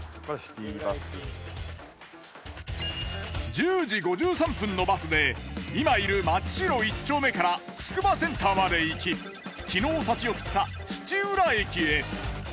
１０時５３分のバスで今いる松代一丁目からつくばセンターまで行き昨日立ち寄った土浦駅へ。